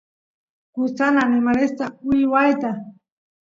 gustan animalesta uywata